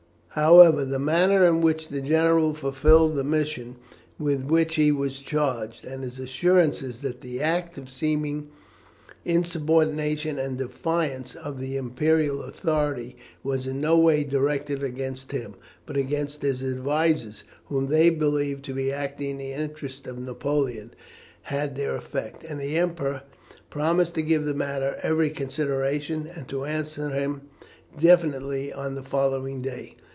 However, the manner in which the general fulfilled the mission with which he was charged, and his assurances that the act of seeming insubordination and defiance of the imperial authority was in no way directed against him, but against his advisers, whom they believed to be acting in the interests of Napoleon, had their effect, and the Emperor promised to give the matter every consideration, and to answer him definitely on the following day.